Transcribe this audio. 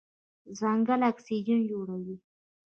ځنګل اکسیجن جوړوي.